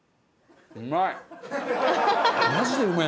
うまい！